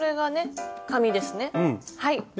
はい。